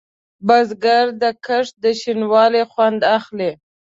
بزګر د کښت د شین والي خوند اخلي